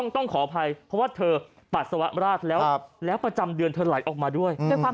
ต้องขออภัยเพราะว่าเธอปัสสาวะราชแล้วแล้วประจำเดือนเธอไหลออกมาด้วย